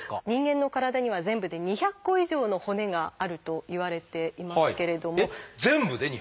人間の体には全部で２００個以上の骨があるといわれていますけれども。